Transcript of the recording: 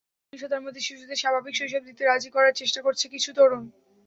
সহিংসতার মধ্যে শিশুদের স্বাভাবিক শৈশব দিতে কাজ করার চেষ্টা করছে কিছু তরুণ।